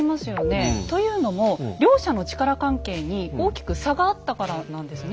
というのも両者の力関係に大きく差があったからなんですね。